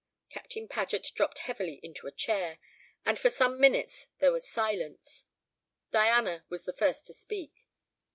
Captain Paget dropped heavily into a chair, and for some minutes there was silence. Diana was the first to speak.